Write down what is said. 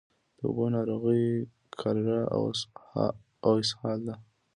د اوبو ناروغۍ کالرا او اسهال دي.